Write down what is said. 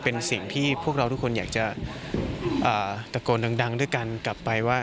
เป็นสิ่งที่พวกเราทุกคนอยากจะตะโกนดังด้วยกันกลับไปว่า